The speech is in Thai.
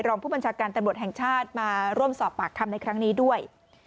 รองผู้บัญชาการตำรวจแห่งชาติมาร่วมสอบปากคำในครั้งนี้ด้วย